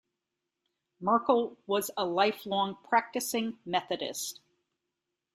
Merkel was a lifelong practicing Methodist.